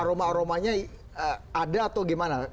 aroma aromanya ada atau gimana